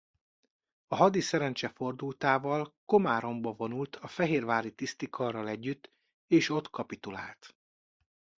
A hadi szerencse fordultával Komáromba vonult a fehérvári tisztikarral együtt és ott kapitulált.